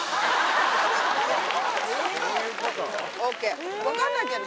ＯＫ分かんないけど。